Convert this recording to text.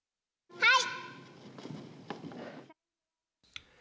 はい。